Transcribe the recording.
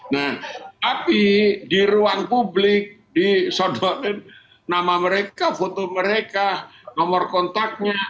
nah tapi di ruang publik disodotin nama mereka foto mereka nomor kontaknya